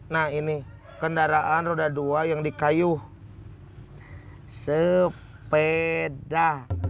nah ini kendaraan roda dua yang dikayuh sepeda